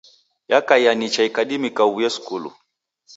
Yakaia nicha ikadimika uw'uye skulu.